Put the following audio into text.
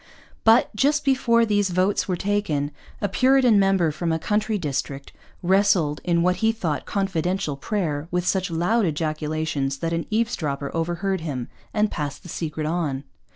But, just before these votes were taken, a Puritan member from a country district wrestled in what he thought confidential prayer with such loud ejaculations that an eavesdropper overheard him and passed the secret on.